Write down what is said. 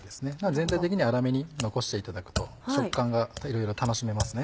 全体的に粗めに残していただくと食感がまたいろいろ楽しめますね。